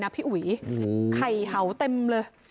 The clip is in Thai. เอาหูไหมเนี่ย